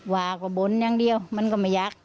ว่าก็บนอย่างเดียวมันก็ไม่อยาก